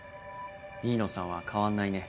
飯野さんは変わんないね。